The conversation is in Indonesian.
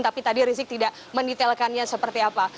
tapi tadi rizik tidak mendetailkannya seperti apa